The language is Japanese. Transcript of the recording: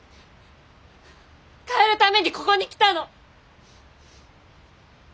変えるためにここに来たの。